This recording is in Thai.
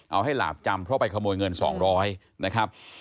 เอาให้หลาบจำเพราะไปขโมยเงิน๒๐๐นะครับ